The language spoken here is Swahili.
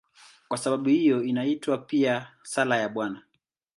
Kwa sababu hiyo inaitwa pia "Sala ya Bwana".